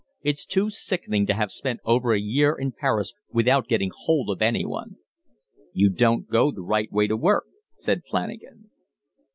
It's too sickening to have spent over a year in Paris without getting hold of anyone." "You don't go the right way to work," said Flanagan.